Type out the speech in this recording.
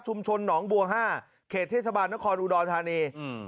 ชุมชนหนองบัวห้าเคศเทศบาลนครอดอุดรธารณีอืม